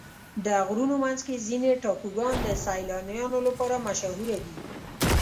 د غرونو منځ کې ځینې ټاپوګان د سیلانیانو لپاره مشهوره دي.